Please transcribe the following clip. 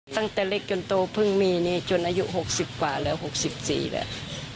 ตั้งแต่เล็กจนโตเพิ่งมีนี่จนอายุ๖๐กว่าแล้ว๖๔แล้ว